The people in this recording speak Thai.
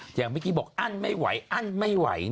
อย่างเมื่อกี้บอกอั้นไม่ไหวอั้นไม่ไหว